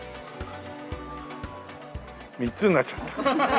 ３つになっちゃった。